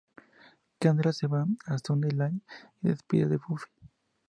Kendra se va de Sunnydale y se despide de Buffy.